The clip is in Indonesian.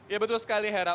ya betul sekali hera